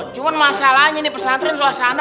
cuman masalahnya nih pesantren